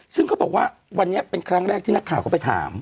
ซึ่งเขาบอกว่าวันนี้เป็นครั้งแรกที่นักข่าวก็ไปถาม